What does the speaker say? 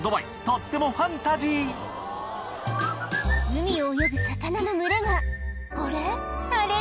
とってもファンタジー海を泳ぐ魚の群れがあれ？